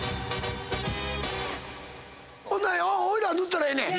ほんならおいらは塗ったらええねん！